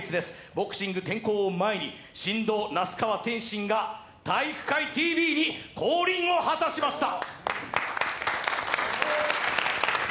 ボクシング転向を前に神童・那須川天心が「体育会ＴＶ」に降臨を果たしました！！